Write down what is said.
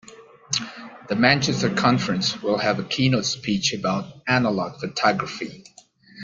The Manchester conference will have a keynote speech about analogue photography.